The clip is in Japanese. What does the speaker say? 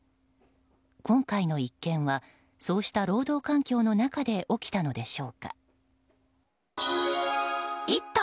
今回の一件はそうした労働環境の中で起きたのでしょうか。